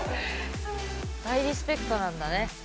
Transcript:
大リスペクトなんだね。